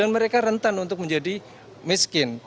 mereka rentan untuk menjadi miskin